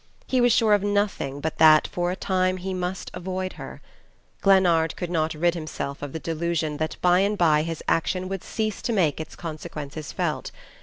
He was sure of nothing but that, for a time, he must avoid her. Glennard could not rid himself of the delusion that by and by his action would cease to make its consequences felt.